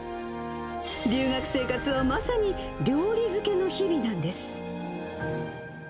留学生活はまさに料理漬けの日々なんです。